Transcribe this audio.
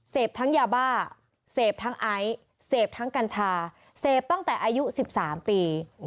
ทั้งยาบ้าเสพทั้งไอซ์เสพทั้งกัญชาเสพตั้งแต่อายุ๑๓ปี